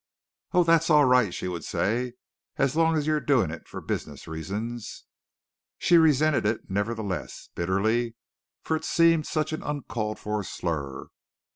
"Oh, that's all right," she would say, "as long as you're doing it for business reasons." She resented it nevertheless, bitterly, for it seemed such an uncalled for slur.